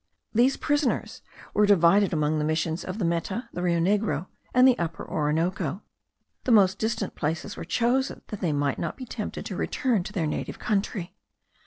These prisoners were divided among the Missions of the Meta, the Rio Negro, and the Upper Orinoco. The most distant places were chosen, that they might not be tempted to return to their native country.